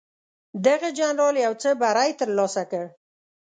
دغه جنرال یو څه بری ترلاسه کړ.